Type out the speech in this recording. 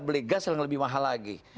beli gas yang lebih mahal lagi